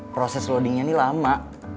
proses loadingnya ini lama